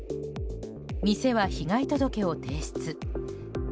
店は被害届を提出。